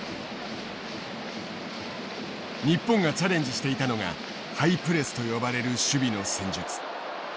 日本がチャレンジしていたのがハイプレスと呼ばれる守備の戦術。